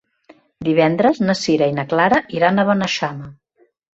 Divendres na Sira i na Clara iran a Beneixama.